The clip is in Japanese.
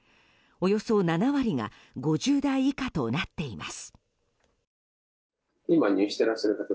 およそ７割が５０代以下となっています。